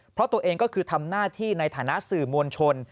เพราะตัวเองก็คือทำหน้าที่ในฐานะสื่อมวลชน